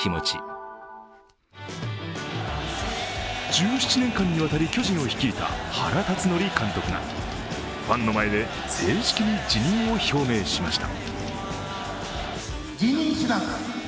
１７年間にわたり巨人を率いた原辰徳監督がファンの前で正式に辞任を表明しました。